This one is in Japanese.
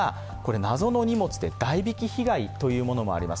謎の荷物で代引き被害というものもあります。